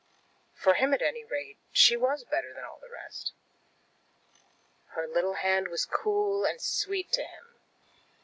For him, at any rate, she was better than all the rest. Her little hand was cool and sweet to him.